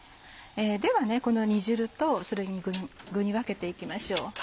ではこの煮汁と具に分けていきましょう。